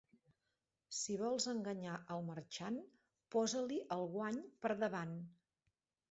Si vols enganyar el marxant, posa-li el guany per davant.